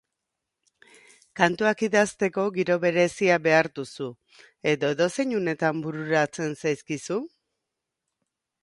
Kantuak idazteko giro berezia behar duzu edo edozein unetan bururatzen zaizkizu?